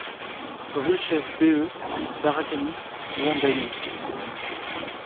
RUE CHEF BE - BARAKANI, Ouangani